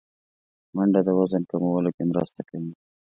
منډه د وزن کمولو کې مرسته کوي